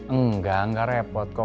enggak enggak repot kok